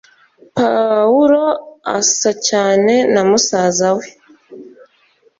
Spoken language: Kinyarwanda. Pawulo asa cyane na musaza we